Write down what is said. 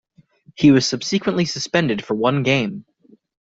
He was subsequently suspended for one game.